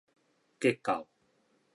結構